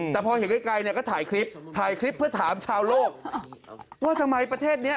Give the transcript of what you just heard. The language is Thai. แต่เชฟเคอรี่ไม่ต้องทำอะไรที่นี่